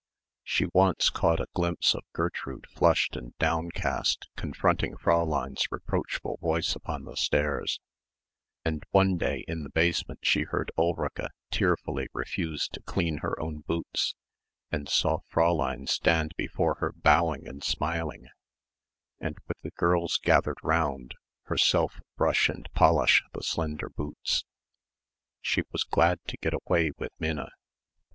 She once caught a glimpse of Gertrude flushed and downcast, confronting Fräulein's reproachful voice upon the stairs; and one day in the basement she heard Ulrica tearfully refuse to clean her own boots and saw Fräulein stand before her bowing and smiling, and with the girls gathered round, herself brush and polish the slender boots. She was glad to get away with Minna.